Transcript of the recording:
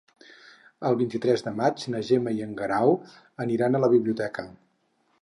El vint-i-tres de maig na Gemma i en Guerau aniran a la biblioteca.